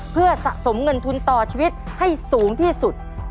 เพื่อสะสมเงินทุนต่อชีวิตให้สูงที่สุด